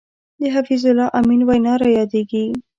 د حفیظ الله امین وینا را یادېږي.